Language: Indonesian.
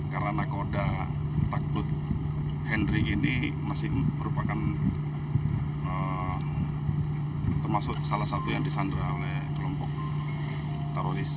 karena koda takut henry ini masih merupakan termasuk salah satu yang disandara oleh kelompok teroris